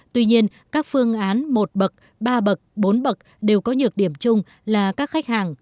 tuy nhiên các phương án một bậc ba bậc bốn bậc đều có nhược điểm chung là các khách hàng